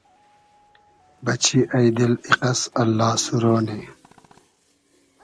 بئچی اݷ دیل ایقئس اللا سورۉ نی